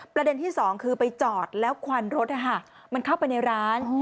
ประเด็นที่สองคือไปจอดแล้วควันรถมันเข้าไปในร้าน